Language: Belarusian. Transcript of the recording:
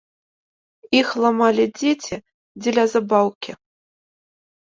Іх ламалі дзеці дзеля забаўкі.